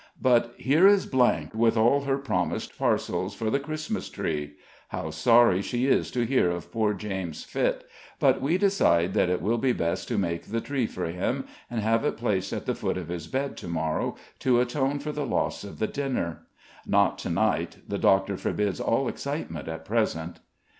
But here is , with all her promised parcels for the Christmas tree; how sorry she is to hear of poor James' fit; but we decide that it will be best to make the tree for him, and have it placed at the foot of his bed to morrow, to atone for the loss of the dinner; not to night, the doctor forbids all excitement at present.